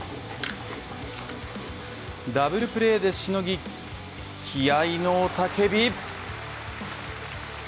ダブルプレーでしのぎ気合いの雄叫び。